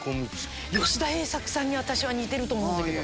吉田栄作さんに私は似てると思うんだけど。